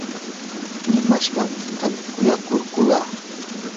nimashqaykitam qunqaykurquu.